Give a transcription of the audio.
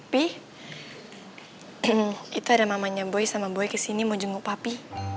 itu ada mamanya boy sama boy kesini mau jenguk papi